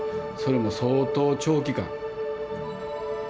それも相当長期間。